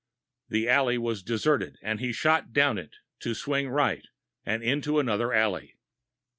The alley was deserted, and he shot down it, to swing right, and into another alley.